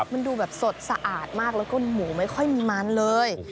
มันดูแบบสดสะอาดมากแล้วก็หมูไม่ค่อยมีมันเลย